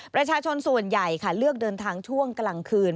ประชาชนส่วนใหญ่ค่ะเลือกเดินทางช่วงกลางคืน